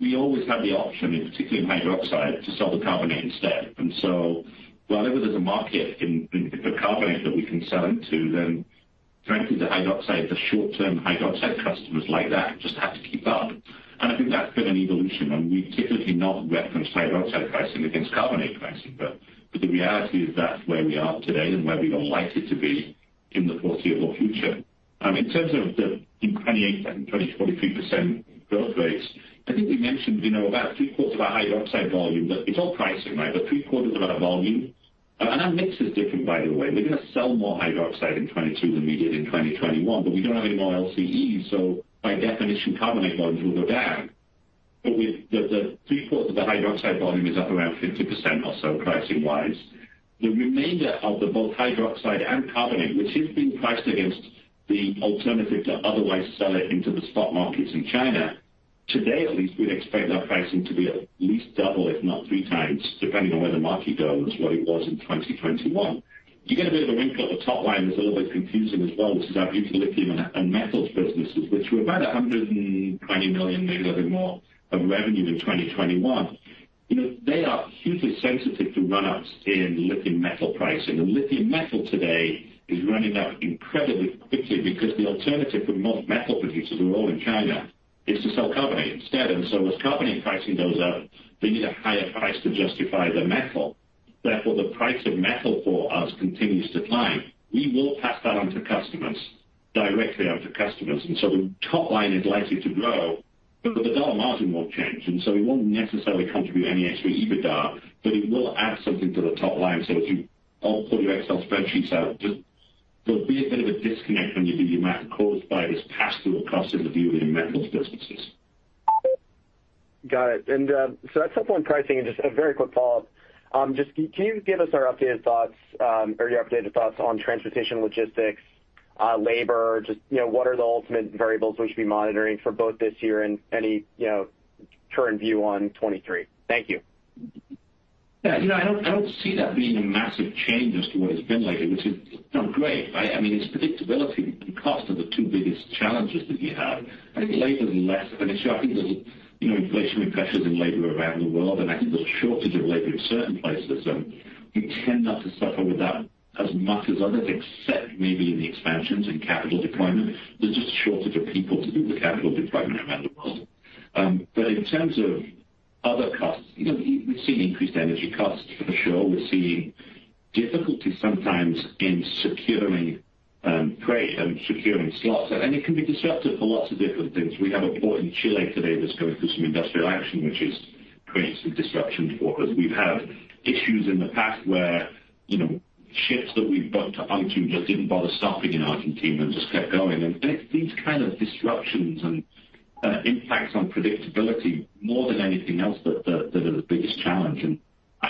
we always have the option, in particular hydroxide, to sell the carbonate instead. Whenever there's a market in the carbonate that we can sell into, then frankly, the hydroxide, the short-term hydroxide customers like that just have to keep up. I think that's been an evolution, and we typically not reference hydroxide pricing against carbonate pricing. But the reality is that's where we are today and where we are likely to be in the foreseeable future. In terms of the 28, 20, 23% growth rates, I think we mentioned, you know, about three-quarters of our hydroxide volume, but it's all pricing, right? But three-quarters of our volume. Our mix is different, by the way. We're going to sell more hydroxide in 2022 than we did in 2021, but we don't have any more LCEs, so by definition, carbonate volumes will go down. With the three-quarters of the hydroxide volume is up around 50% or so pricing-wise. The remainder of both hydroxide and carbonate, which is being priced against the alternative to otherwise sell it into the spot markets in China. Today, at least we'd expect our pricing to be at least double, if not three times, depending on where the market goes, what it was in 2021. You get a bit of a wrinkle at the top line that's always confusing as well, which is our beautiful lithium and metals businesses, which were about $120 million, maybe a little bit more of revenue in 2021. They are hugely sensitive to run ups in lithium metal pricing. Lithium metal today is running up incredibly quickly because the alternative for most metal producers who are all in China is to sell carbonate instead. As carbonate pricing goes up, they need a higher price to justify the metal. Therefore, the price of metal for us continues to climb. We will pass that on to customers, directly onto customers. The top line is likely to grow, but the dollar margin won't change, and so it won't necessarily contribute any extra EBITDA, but it will add something to the top line. If you all pull your Excel spreadsheets out, just there'll be a bit of a disconnect when you do your math caused by this pass through cost in the view of your metals businesses. Got it. So that's helpful in pricing. Just a very quick follow-up. Just can you give us our updated thoughts, or your updated thoughts on transportation, logistics, labor, just, you know, what are the ultimate variables we should be monitoring for both this year and any, you know, current view on 2023? Thank you. Yeah. I don't see that being a massive change as to what it's been like, which is, you know, great, right? I mean, it's predictability and cost are the two biggest challenges that you have. I think labor is less of an issue. I think there's, you know, inflationary pressures in labor around the world, and I think there's a shortage of labor in certain places. So we tend not to suffer with that as much as others, except maybe in the expansions and capital deployment. There's just a shortage of people to do the capital deployment around the world. But in terms of other costs, you know, we've seen increased energy costs for sure. We're seeing difficulty sometimes in securing slots. It can be disruptive for lots of different things. We have a port in Chile today that's going through some industrial action, which is creating some disruptions for us. We've had issues in the past where, you know, ships that we've booked onto just didn't bother stopping in Argentina and just kept going. It's these kind of disruptions and impacts on predictability more than anything else that are the biggest challenge.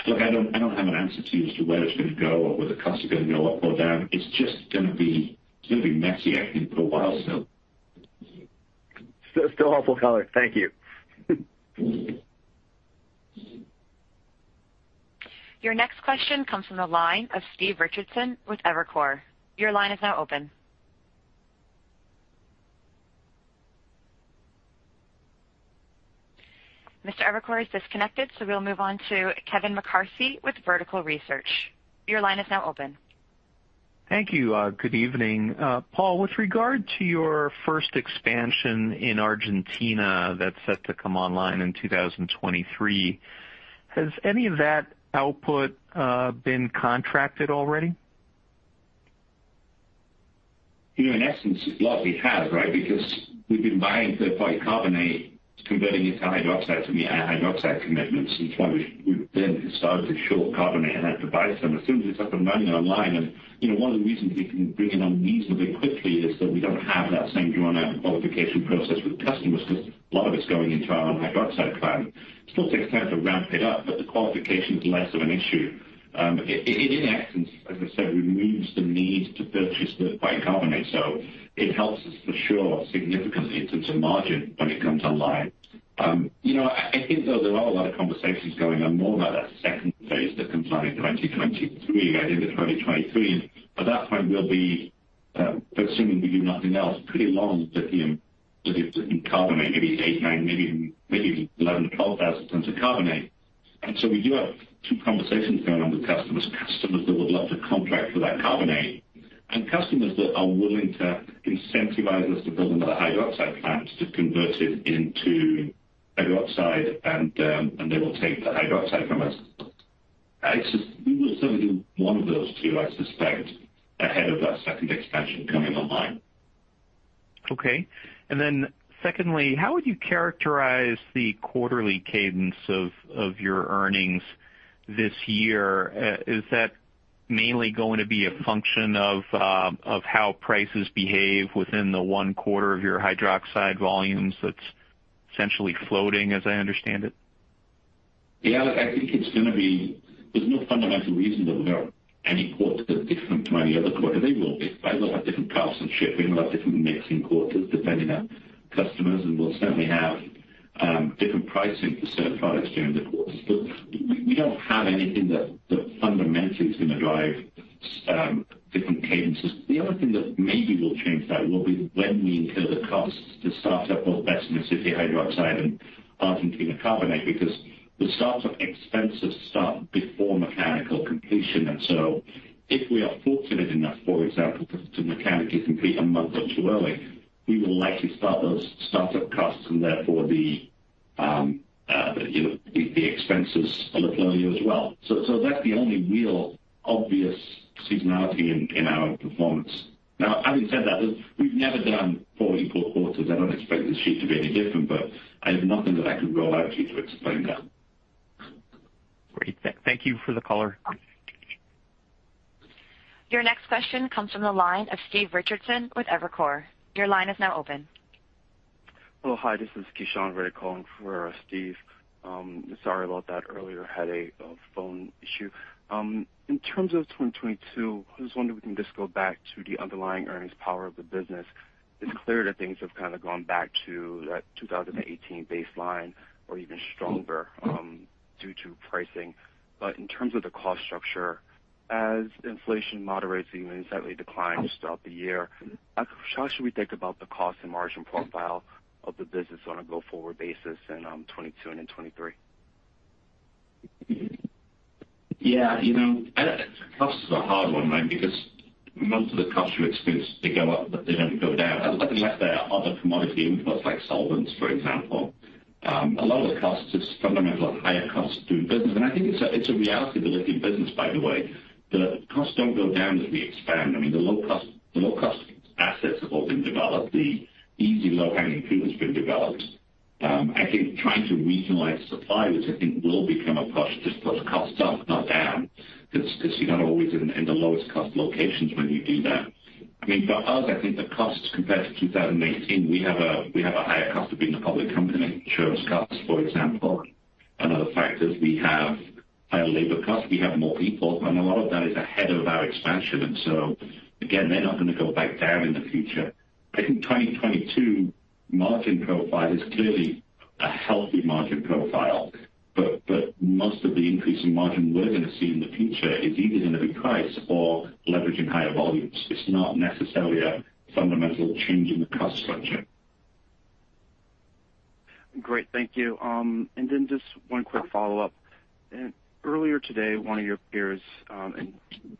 Look, I don't have an answer to you as to where it's going to go or whether costs are going to go up or down. It's just gonna be messy, I think, for a while still. Still helpful color. Thank you. Your next question comes from the line of Steve Richardson with Evercore. Your line is now open. Mr. Richardson is disconnected, so we'll move on to Kevin McCarthy with Vertical Research. Your line is now open. Thank you. Good evening. Paul, with regard to your first expansion in Argentina that's set to come online in 2023, has any of that output been contracted already? In essence, a lot of it has, right? Because we've been buying third-party carbonate, converting it to hydroxide to meet our hydroxide commitments. Since when we then started to short carbonate and have to buy some as soon as it's up and running online. You know, one of the reasons we can bring it on reasonably quickly is that we don't have that same drawn out qualification process with customers because a lot of it's going into our own hydroxide plant. It still takes time to ramp it up, but the qualification is less of an issue. It, in essence, as I said, removes the need to purchase third-party carbonate, so it helps us for sure significantly in terms of margin when it comes online. I think though there are a lot of conversations going on more about that second phase that comes online in 2023, going into 2023. By that point, we'll be assuming we do nothing else, pretty long lithium carbonate, maybe 8,000, 9,000, maybe 11,000-12,000 tons of carbonate. We do have two conversations going on with customers. Customers that would love to contract for that carbonate and customers that are willing to incentivize us to build another hydroxide plant to convert it into hydroxide. They will take the hydroxide from us. We will certainly do one of those two, I suspect, ahead of that second expansion coming online. Okay. Secondly, how would you characterize the quarterly cadence of your earnings this year? Is that mainly going to be a function of how prices behave within the one-quarter of your hydroxide volumes that's essentially floating, as I understand it? Yeah, look, I think it's gonna be—there's no fundamental reason that we're any quarter different to any other quarter. They will be. We'll have different costs in shipping. We'll have different mix in quarters depending on customers, and we'll certainly have different pricing for certain products during the course. But we don't have anything that fundamentally is going to drive different cadences. The only thing that maybe will change that will be when we incur the costs to start up both Bessemer and Mississippi hydroxide and Argentina carbonate, because the start-up expenses start before mechanical completion. If we are fortunate enough, for example, to mechanically complete a month or two early, we will likely start those start-up costs and therefore the expenses a little earlier as well. That's the only real obvious seasonality in our performance. Now, having said that, we've never done 44 quarters. I don't expect this year to be any different, but I have nothing that I can go out to explain that. Great. Thank you for the caller. Your next question comes from the line of Stephen Richardson with Evercore. Your line is now open. Hello. Hi, this is Kishan Reddy calling for Steve. Sorry about that earlier. Had a phone issue. In terms of 2022, I was wondering if we can just go back to the underlying earnings power of the business. It's clear that things have kind of gone back to that 2018 baseline or even stronger, due to pricing. In terms of the cost structure, as inflation moderates and slightly declines throughout the year, how should we think about the cost and margin profile of the business on a go-forward basis in 2022 and in 2023? Yeah. Cost is a hard one, right? Because most of the costs you experience, they go up, but they don't go down unless there are other commodity inputs, like solvents, for example. A lot of the costs is fundamental higher costs to do business. I think it's a reality of the lithium business, by the way. The costs don't go down as we expand. I mean, the low cost assets have all been developed. The easy low-hanging fruit has been developed. I think trying to regionalize supply, which I think will become a push, just puts costs up, not down, 'cause you're not always in the lowest cost locations when you do that. I mean, for us, I think the costs compared to 2018, we have a higher cost of being a public company. Insurance costs, for example. Another factor is we have higher labor costs, we have more people, and a lot of that is ahead of our expansion. They're not gonna go back down in the future. I think 2022 margin profile is clearly a healthy margin profile, but most of the increase in margin we're gonna see in the future is either gonna be price or leverage and higher volumes. It's not necessarily a fundamental change in the cost structure. Great. Thank you. Just one quick follow-up. Earlier today, one of your peers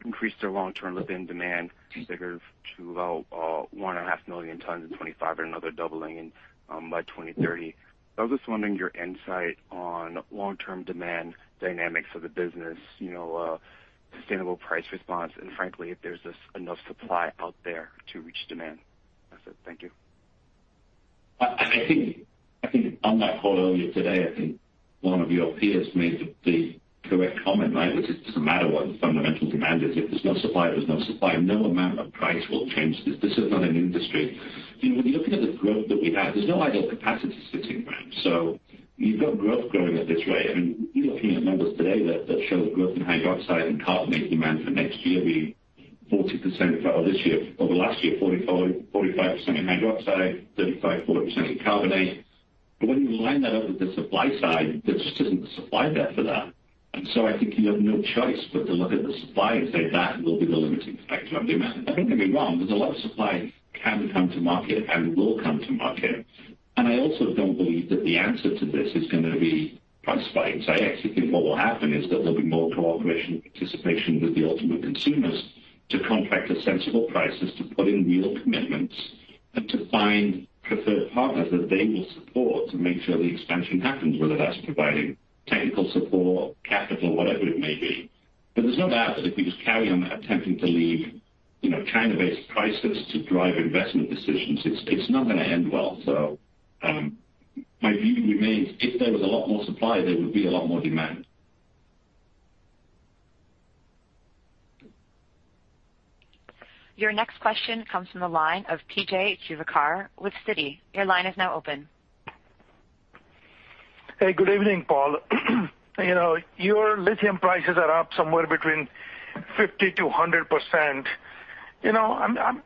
increased their long-term lithium demand figures to 1.5 million tons in 2025 and another doubling by 2030. I was just wondering your insight on long-term demand dynamics of the business, you know, sustainable price response and frankly, if there's just enough supply out there to reach demand. That's it. Thank you. I think on that call earlier today, I think one of your peers made the correct comment, right? Which is it doesn't matter what the fundamental demand is. If there's no supply, there's no supply. No amount of price will change this. This is not an industry. You know, when you're looking at the growth that we have, there's no idle capacity sitting around. You've got growth growing at this rate. I mean, you're looking at numbers today that show growth in hydroxide and carbonate demand for next year be 40% of the last year, 44%-45% in hydroxide, 35%-40% in carbonate. When you line that up with the supply side, there just isn't the supply there for that. I think you have no choice but to look at the supply and say that will be the limiting factor on demand. Don't get me wrong, there's a lot of supply can come to market and will come to market. I also don't believe that the answer to this is gonna be price spikes. I actually think what will happen is that there'll be more cooperation and participation with the ultimate consumers to contract at sensible prices to put in real commitments and to find preferred partners that they will support to make sure the expansion happens, whether that's providing technical support, capital, whatever it may be. There's no doubt that if we just carry on attempting to let, you know, China-based prices to drive investment decisions, it's not gonna end well. My view remains, if there was a lot more supply, there would be a lot more demand. Your next question comes from the line of P.J. Juvekar with Citi. Your line is now open. Hey, good evening, Paul. Your lithium prices are up somewhere between 50%-100%. You know, I'm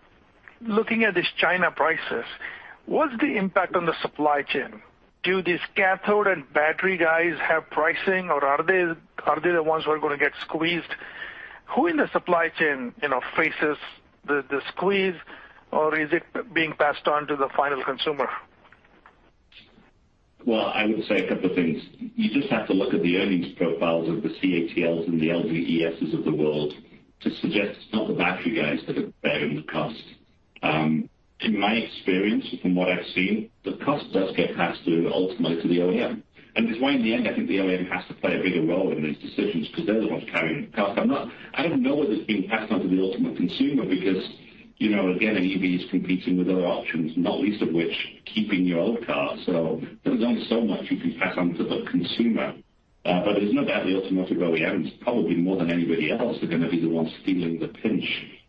looking at these China prices. What's the impact on the supply chain? Do these cathode and battery guys have pricing, or are they the ones who are gonna get squeezed? Who in the supply chain, you know, faces the squeeze, or is it being passed on to the final consumer? Well, I would say a couple of things. You just have to look at the earnings profiles of the CATLs and the LGESs of the world to suggest it's not the battery guys that are bearing the cost. In my experience, from what I've seen, the cost does get passed through ultimately to the OEM. It's why, in the end, I think the OEM has to play a bigger role in these decisions because they're the ones carrying the cost. I don't know whether it's being passed on to the ultimate consumer because, you know, again, an EV is competing with other options, not least of which keeping your old car. There's only so much you can pass on to the consumer. There's no doubt the automotive OEMs, probably more than anybody else, are gonna be the ones feeling the pinch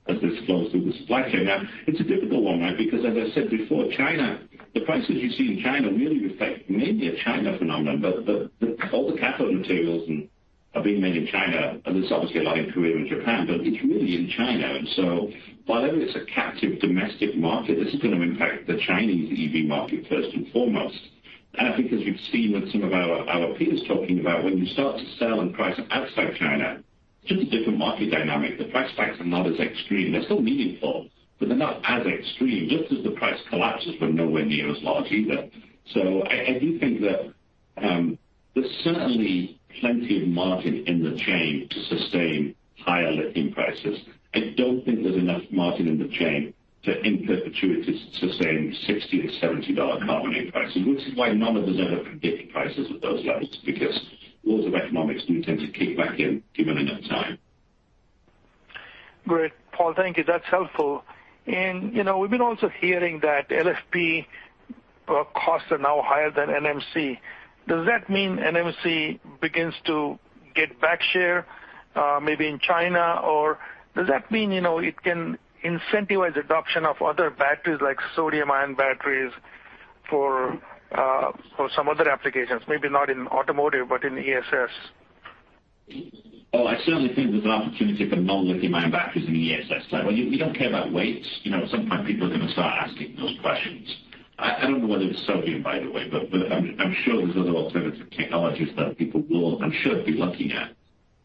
as this flows through the supply chain. Now, it's a difficult one, right? Because as I said before, China, the prices you see in China really reflect mainly a China phenomenon. But all the cathode materials are being made in China, and there's obviously a lot in Korea and Japan, but it's really in China. By the way, it's a captive domestic market. This is gonna impact the Chinese EV market first and foremost. I think as we've seen with some of our peers talking about when you start to sell and price outside China, just a different market dynamic. The price tags are not as extreme. They're still meaningful, but they're not as extreme, just as the price collapses were nowhere near as large either. I do think that, there's certainly plenty of margin in the chain to sustain higher lithium prices. I don't think there's enough margin in the chain to, in perpetuity, sustain $60-$70 carbonate prices, which is why none of us ever predicted prices at those levels, because laws of economics do tend to kick back in given enough time. Great. Paul, thank you. That's helpful. We've been also hearing that LFP costs are now higher than NMC. Does that mean NMC begins to get back share, maybe in China? Or does that mean, you know, it can incentivize adoption of other batteries, like sodium-ion batteries for some other applications, maybe not in automotive, but in ESS? Oh, I certainly think there's an opportunity for non-lithium ion batteries in the ESS space. We don't care about weight. You know, at some point, people are gonna start asking those questions. I don't know whether it's sodium, by the way, but I'm sure there's other alternative technologies that people will, I'm sure, be looking at.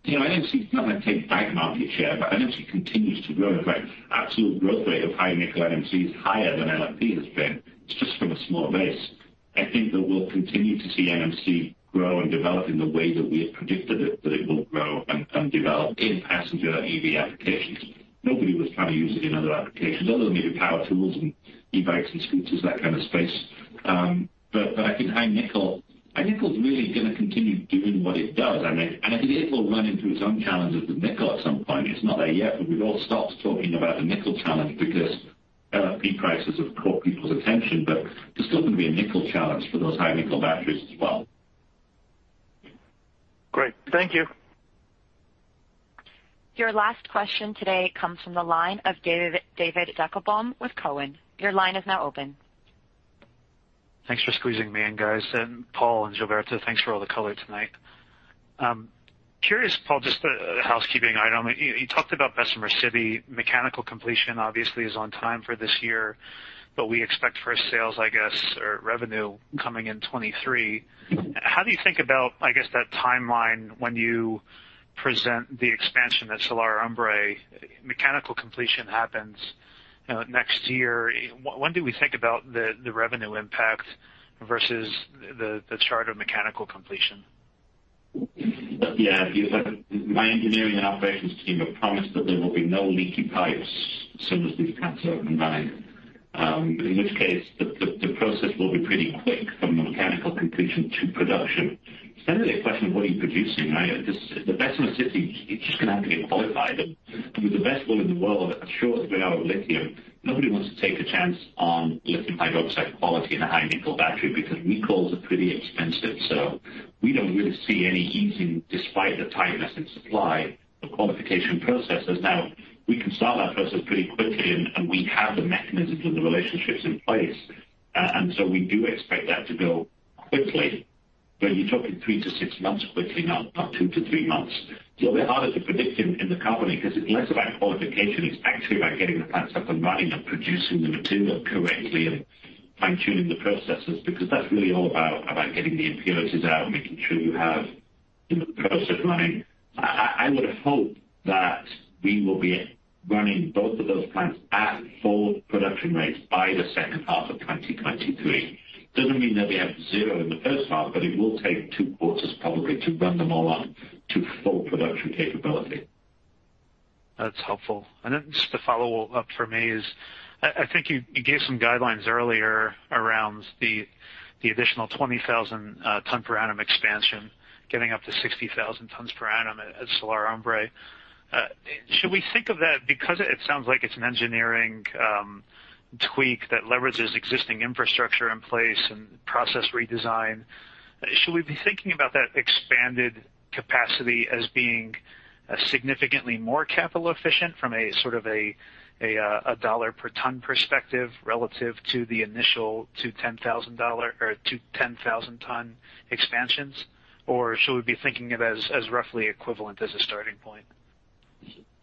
You know, NMC is not gonna take back market share, but NMC continues to grow. In fact, absolute growth rate of high nickel NMC is higher than LFP has been. It's just from a small base. I think that we'll continue to see NMC grow and develop in the way that we have predicted it, that it will grow and develop in passenger EV applications. Nobody was trying to use it in other applications other than maybe power tools and e-bikes and scooters, that kind of space. I think high nickel is really gonna continue doing what it does. I mean, I think it will run into its own challenges with nickel at some point. It's not there yet, but we've all stopped talking about the nickel challenge because LFP prices have caught people's attention, but there's still gonna be a nickel challenge for those high nickel batteries as well. Great. Thank you. Your last question today comes from the line of David Deckelbaum with Cowen. Your line is now open. Thanks for squeezing me in, guys. Paul and Gilberto, thanks for all the color tonight. Curious, Paul, just a housekeeping item. You talked about Bessemer City. Mechanical completion obviously is on time for this year, but we expect first sales, I guess, or revenue coming in 2023. How do you think about, I guess, that timeline when you present the expansion at Salar del Hombre Muerto? Mechanical completion happens next year. When do we think about the revenue impact versus the charter mechanical completion? Yeah. My engineering and operations team have promised that there will be no leaky pipes as soon as these plants are up and running. In which case, the process will be pretty quick from the mechanical completion to production. It's generally a question of what are you producing, right? The Bessemer City, it's just gonna have to get qualified. With the best will in the world, as short as we are with lithium, nobody wants to take a chance on lithium hydroxide quality in a high nickel battery because recalls are pretty expensive. We don't really see any easing despite the tightness in supply of qualification processes. Now, we can start that process pretty quickly, and we have the mechanisms and the relationships in place. We do expect that to go quickly. You're talking 3-6 months quickly, not 2-3 months. It's a little bit harder to predict in the carbonate because it's less about qualification. It's actually about getting the plants up and running and producing the material correctly and fine-tuning the processes because that's really all about getting the impurities out and making sure you have, you know, the process running. I would hope that we will be running both of those plants at full production rates by the second half of 2023. Doesn't mean that we have zero in the first half, but it will take two quarters probably to run them all up to full production capability. That's helpful. Just a follow-up for me is I think you gave some guidelines earlier around the additional 20,000 tons per annum expansion, getting up to 60,000 tons per annum at Salar del Hombre Muerto. Should we think of that because it sounds like it's an engineering tweak that leverages existing infrastructure in place and process redesign? Should we be thinking about that expanded capacity as being significantly more capital efficient from a sort of $ per ton perspective relative to the initial $20,000 or 20,000-ton expansions? Should we be thinking of it as roughly equivalent as a starting point?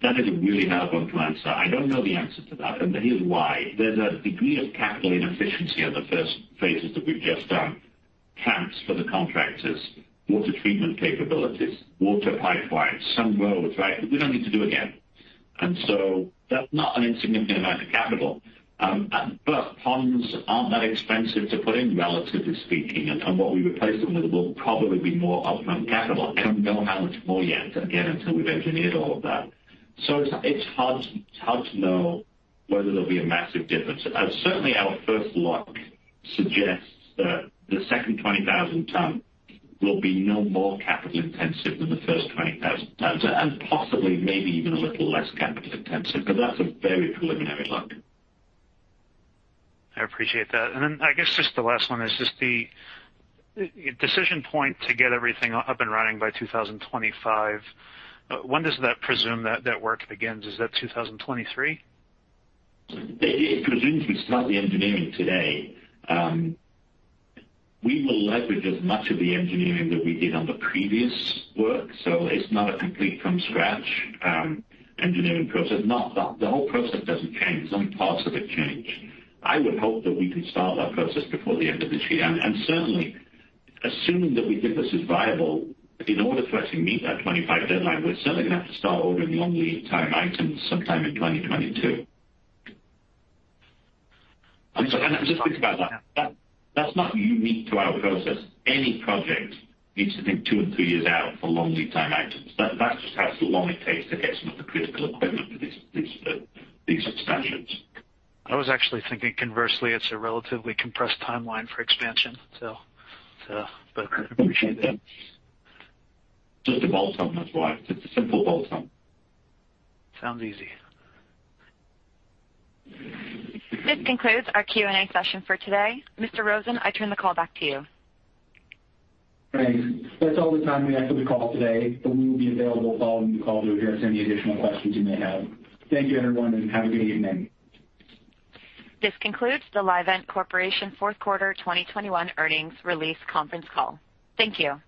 That is a really hard one to answer. I don't know the answer to that, and here's why. There's a degree of capital inefficiency in the first phases that we've just done. Plants for the contractors, water treatment capabilities, water pipelines, some roads, right? We don't need to do again. That's not an insignificant amount of capital. Ponds aren't that expensive to put in, relatively speaking. What we replace them with will probably be more upfront capital. I don't know how much more yet, again, until we've engineered all of that. It's hard to know whether there'll be a massive difference. Certainly, our first look suggests that the second 20,000-ton will be no more capital intensive than the first 20,000 tons, and possibly maybe even a little less capital intensive, but that's a very preliminary look. I appreciate that. I guess just the last one is just the decision point to get everything up and running by 2025. When does that presume that work begins? Is that 2023? It presumes we start the engineering today. We will leverage as much of the engineering that we did on the previous work, so it's not a complete from scratch engineering process. Not that the whole process doesn't change, some parts of it change. I would hope that we can start that process before the end of this year. Certainly, assuming that we think this is viable, in order for us to meet that 25 deadline, we're still gonna have to start ordering long lead time items sometime in 2022. Just think about that. That's not unique to our process. Any project needs to think two or three years out for long lead time items. That's just how long it takes to get some of the critical equipment for these expansions. I was actually thinking conversely, it's a relatively compressed timeline for expansion. I appreciate that. Just a bolt-on, that's why. It's a simple bolt-on. Sounds easy. This concludes our Q&A session for today. Mr. Rosen, I turn the call back to you. Thanks. That's all the time we have for the call today, but we will be available following the call to address any additional questions you may have. Thank you, everyone, and have a good evening. This concludes the Livent Corporation Fourth Quarter 2021 Earnings Release Conference Call. Thank you.